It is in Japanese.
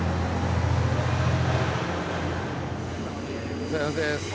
お疲れさまです。